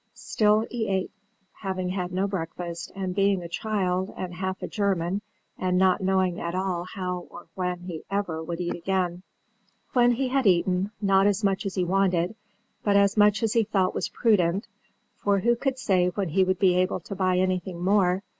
Still he ate, having had no breakfast, and being a child, and half a German, and not knowing at all how or when he ever would eat again. When he had eaten, not as much as he wanted, but as much as he thought was prudent (for who could say when he would be able to buy anything more?)